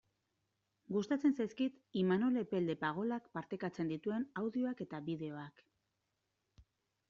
Gustatzen zaizkit Imanol Epelde Pagolak partekatzen dituen audioak eta bideoak.